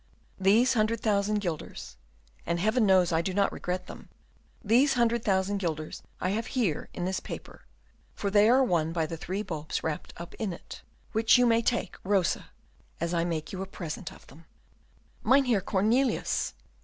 These hundred thousand guilders and Heaven knows I do not regret them these hundred thousand guilders I have here in this paper, for they are won by the three bulbs wrapped up in it, which you may take, Rosa, as I make you a present of them." "Mynheer Cornelius!"